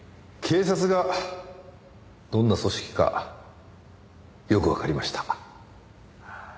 警察がどんな組織かよくわかりました。